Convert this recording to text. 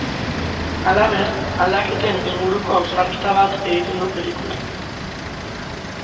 Halaber, aldaketen inguruko hausnarketa bat egiten du pelikulak.